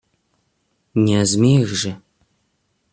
Не о змеях же?